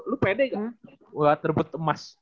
lo pede nggak buat terbut emas